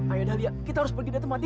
ayo dahlia kita harus pergi ke tempat ini